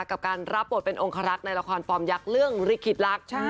กับการรับบทเป็นองคารักษ์ในละครฟอร์มยักษ์เรื่องลิขิตรัก